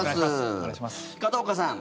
片岡さん